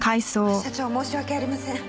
社長申し訳ありません。